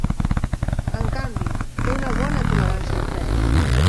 En canvi, té una bona tolerància al fred.